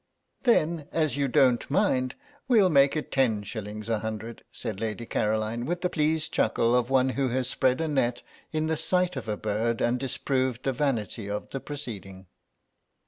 "Then as you don't mind we'll make it ten shillings a hundred," said Lady Caroline, with the pleased chuckle of one who has spread a net in the sight of a bird and disproved the vanity of the proceeding.